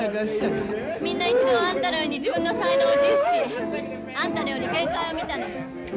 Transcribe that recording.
みんな一度はあんたのように自分の才能を自負しあんたのように限界を見たのよ。